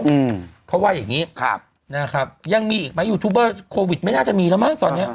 อืมเขาว่าอย่างงี้ครับนะครับยังมีอีกไหมยูทูบเบอร์โควิดไม่น่าจะมีแล้วมั้งตอนเนี้ย